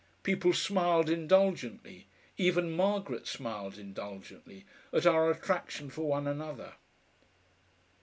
People smiled indulgently even Margaret smiled indulgently at our attraction for one another.